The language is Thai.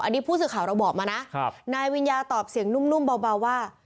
อันนี้ผู้สื่อข่าวเราบอกมานะนายวิญญาตอบเสียงนุ่มเบาว่า